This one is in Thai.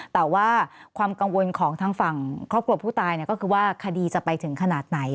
แต่ว่าความกังวลของทางฝั่งครอบครัวผู้ตายก็คือว่าคดีจะไปถึงขนาดไหน